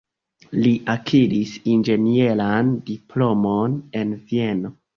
Li akiris inĝenieran diplomon en Vieno.